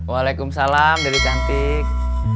waalaikumsalam dari cantik